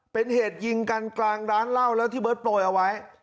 เป็นเหตุยิงกันกลางร้านเหล้าแล้วที่เบิร์ตโปรยเอาไว้